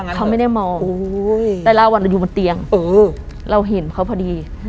เขาไม่ได้มองแต่ละวันเราอยู่บนเตียงเราเห็นเขาพอดี